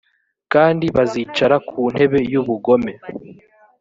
kandi bazicara ku ntebe y’ubugome